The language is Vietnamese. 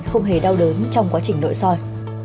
không hề đau đớn trong quá trình nội soi